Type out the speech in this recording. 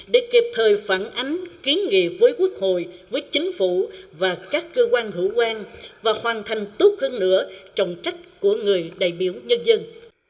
để kịp thời phản ánh kiến nghị với quốc hội với chính phủ và các cơ quan hữu quan và hoàn thành tốt hơn nữa trọng trách của người đại biểu nhân dân